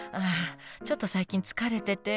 ちょっと最近疲れてて。